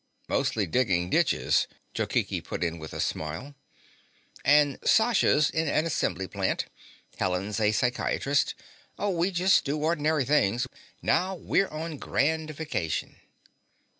"Mostly digging ditches," Jokichi put in with a smile. " and Sasha's in an assembly plant. Helen's a psychiatrist. Oh, we just do ordinary things. Now we're on grand vacation."